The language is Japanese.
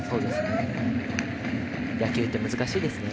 野球って難しいですね。